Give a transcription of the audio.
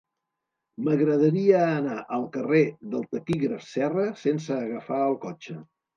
M'agradaria anar al carrer del Taquígraf Serra sense agafar el cotxe.